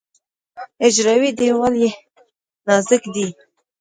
حجروي دیوال یې نازک دی.